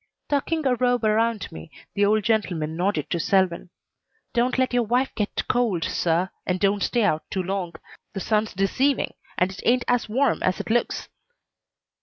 Tucking a robe around me, the old gentleman nodded to Selwyn. "Don't let your wife get cold, suh, and don't stay out too long. The sun's deceiving and it ain't as warm as it looks."